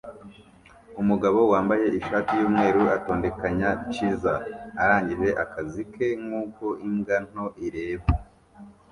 umugabo wambaye ishati yumweru atondekanya chisel arangije akazi ke nkuko imbwa nto ireba